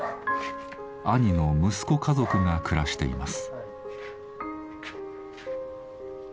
兄の息子家族が暮らしています。